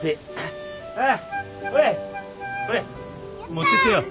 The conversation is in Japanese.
持ってってよ。